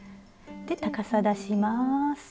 で高さ出します。